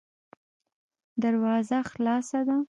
دروازه خلاصه ده.